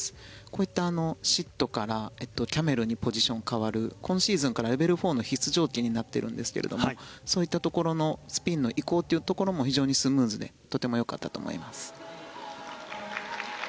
こういったシットからキャメルにポジションが変わる今シーズンからレベル４の必須条件になっているんですがそういったところのスピンの移行というところも非常にスムーズでとてもよかったと思います。